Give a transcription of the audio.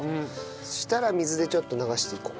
そしたら水でちょっと流していこう。